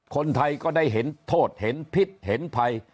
คนไทยก็ได้เห็นโทษเห็นพิษเห็นภัย